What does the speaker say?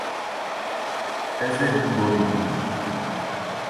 Ez ê biborînim.